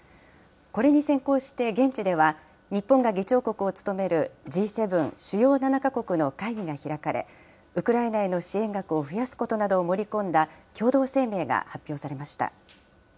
これに先行して現地では、日本が議長国を務めるＧ７・主要７か国の会議が開かれ、ウクライナへの支援額を増やすことなどを盛り込んだ共同声明が発表されました。